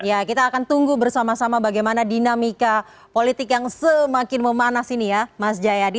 ya kita akan tunggu bersama sama bagaimana dinamika politik yang semakin memanas ini ya mas jayadi